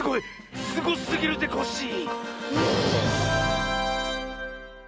すごすぎるぜコッシー！